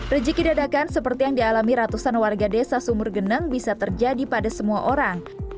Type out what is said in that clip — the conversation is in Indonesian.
rejeki dadakan seperti yang dialami ratusan warga desa sumur geneng bisa terjadi pada semua orang